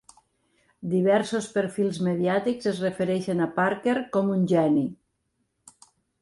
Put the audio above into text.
Diversos perfils mediàtics es refereixen a Parker com un geni.